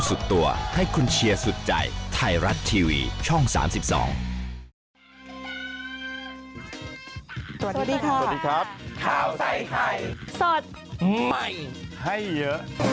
สวัสดีค่ะสวัสดีครับข้าวใส่ไข่สดใหม่ให้เยอะ